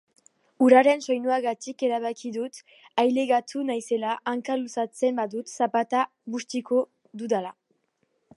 Uraren soinuagatik erabaki dut ailegatu naizela, hanka luzatzen badut zapata bustiko dudala.